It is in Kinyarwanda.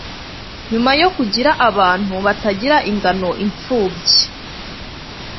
Nyuma yo kugira abantu batagira ingano imfubyi,